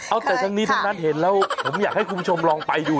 เอาแต่ทั้งนี้ทั้งนั้นเห็นแล้วผมอยากให้คุณผู้ชมลองไปดู